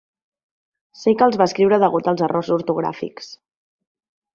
Sé que els va escriure degut als errors ortogràfics.